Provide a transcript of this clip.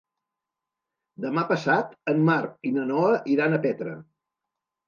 Demà passat en Marc i na Noa iran a Petra.